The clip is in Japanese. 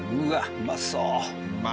うまそう。